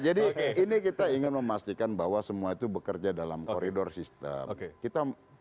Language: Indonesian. jadi ini kita ingin memastikan bahwa semua itu bekerja dalam koridor sistem